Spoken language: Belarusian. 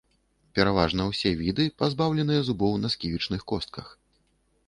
Пераважна ўсе віды пазбаўленыя зубоў на сківічных костках.